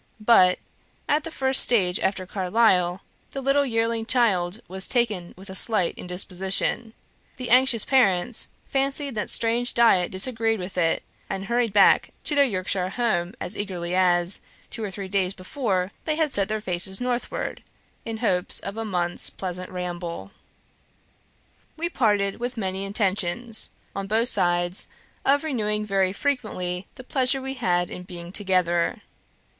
But, at the first stage after Carlisle, the little yearling child was taken with a slight indisposition; the anxious parents fancied that strange diet disagreed with it, and hurried back to their Yorkshire home as eagerly as, two or three days before, they had set their faces northward, in hopes of a month's pleasant ramble. We parted with many intentions, on both sides, of renewing very frequently the pleasure we had had in being together.